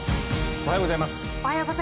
おはようございます。